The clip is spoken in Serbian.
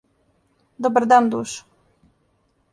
Добар дан, душо.